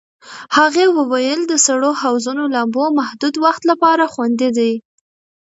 هغې وویل د سړو حوضونو لامبو محدود وخت لپاره خوندي دی.